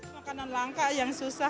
makanan langka yang susah